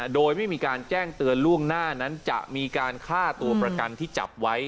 โดยไม่มีการแจ้งเตือนล่วงหน้านั้นจะมีการฆ่าตัวประกันที่จับไว้